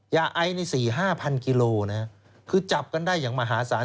ยาไอ้เนี่ย๔๕พันกิโลนะครับคือจับกันได้อย่างมหาศาล